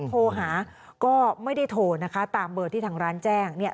โทรหาก็ไม่ได้โทรนะคะตามเบอร์ที่ทางร้านแจ้งเนี่ย